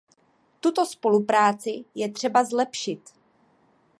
Tuto spolupráci je třeba zlepšit.